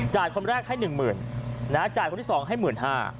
จ่ายคนแรกให้๑๐๐๐๐บาทจ่ายคนที่สองให้๑๕๐๐๐บาท